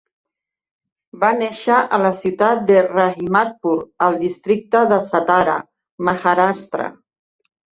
Va néixer a la ciutat de Rahimatpur al districte de Satara, Maharashtra.